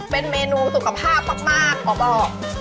เป็นเมนูสุขภาพมากหมอบอก